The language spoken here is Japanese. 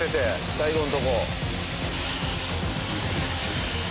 最後のとこ。